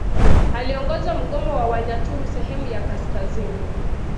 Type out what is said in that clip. Aliongoza mgomo wa Wanyaturu sehemu ya kaskazini